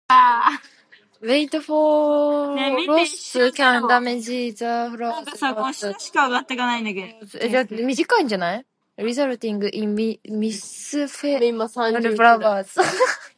Late frosts can damage the flower buds, resulting in misshapen flowers.